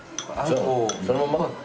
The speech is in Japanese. そのまま？